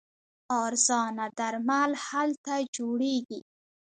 ارزانه درمل هلته جوړیږي.